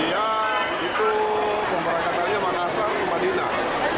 lalu pemberangkatannya makassar ke madinah